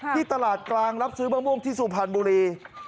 ที่ตลาดกลางรับซื้อมะม่วงที่สุพรรณบุรี